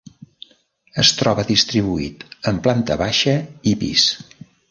Es troba distribuït en planta baixa i pis.